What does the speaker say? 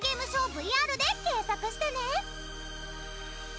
ＶＲで検索してね！